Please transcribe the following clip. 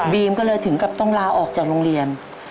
ก็เลยถึงกับต้องลาออกจากโรงเรียน